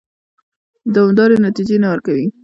دوامدارې نتیجې نه ورکوي.